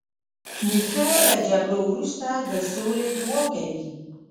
نیکه له جګړو وروسته د سولې دعا کوي.